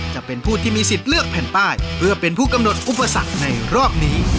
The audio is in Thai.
จะเป็นผู้ที่มีสิทธิ์เลือกแผ่นป้ายเพื่อเป็นผู้กำหนดอุปสรรคในรอบนี้